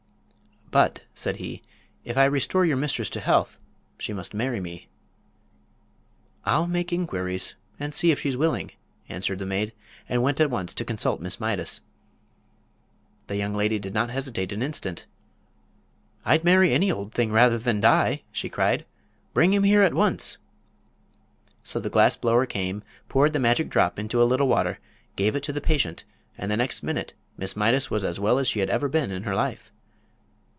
"But," said he, "if I restore your mistress to health she must marry me." "I'll make inquiries and see if she's willing," answered the maid, and went at once to consult Miss Mydas. The young lady did not hesitate an instant. "I'd marry any old thing rather than die!" she cried. "Bring him here at once!" So the glass blower came, poured the magic drop into a little water, gave it to the patient, and the next minute Miss Mydas was as well as she had ever been in her life.